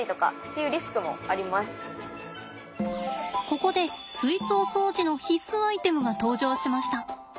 ここで水槽掃除の必須アイテムが登場しました。